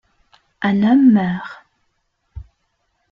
Un homme meurt.